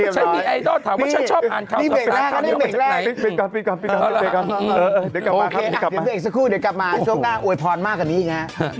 ฉันมีไอดอลถามว่าฉันชอบอาณาจัง